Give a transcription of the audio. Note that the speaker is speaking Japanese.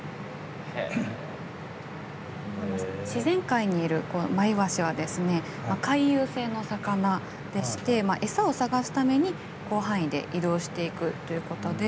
自然界にいるマイワシは回遊性の魚でして餌を探すために、広範囲で移動していくということで。